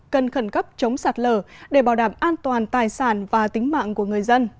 cần khẩn cấp chống sạt lở để bảo đảm an toàn tài sản và tính mạng của người dân